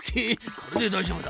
これでだいじょうぶだ。